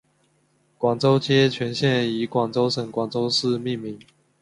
广州街全线以广东省广州市命名。